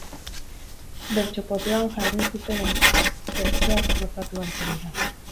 Bertso-poteoan jardun zutenen bertsoak gozatu ahalko dira.